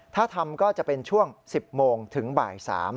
ถ้าทำก็จะเป็นช่วง๑๐โมงถึงบ่าย๓